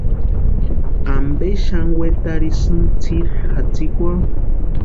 ¿Ampe xani wetarhisïni tsiri jatsikwarhu?